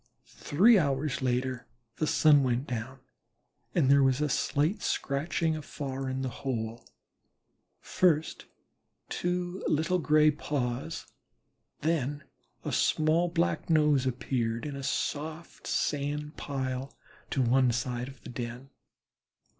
Three hours later the sun went down and there was a slight scratching afar in the hole; first two little gray paws, then a small black nose appeared in a soft sand pile to one side of the den.